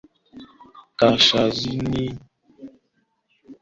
Kaskazini kimepakana na Kijiji cha Namakono